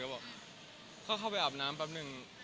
ก็บอกเข้าเข้าไปอาบน้ำแปปนึง